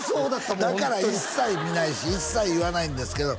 ホントにだから一切見ないし一切言わないんですけど